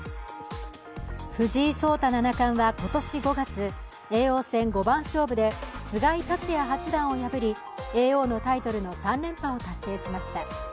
藤井聡太七冠は今年５月叡王戦五番勝負で菅井竜也八段を破り叡王のタイトルの３連覇を達成しました。